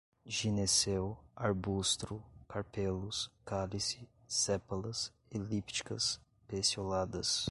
gineceu, arbustro, carpelos, cálice, sépalas, elípticas, pecioladas